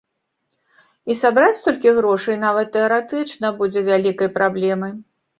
І сабраць столькі грошай нават тэарэтычна будзе вялікай праблемай.